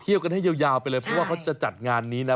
กันให้ยาวไปเลยเพราะว่าเขาจะจัดงานนี้นะ